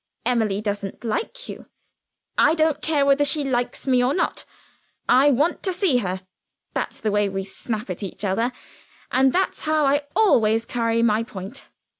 'Emily doesn't like you.' 'I don't care whether she likes me or not; I want to see her.' That's the way we snap at each other, and that's how I always carry my point.